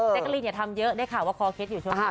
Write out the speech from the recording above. เจ๊กรีนอย่าทำเยอะได้ข่าวว่าคอเคล็ดอยู่ใช่ไหม